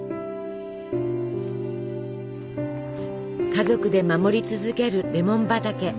家族で守り続けるレモン畑。